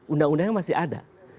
undang undangnya masih ada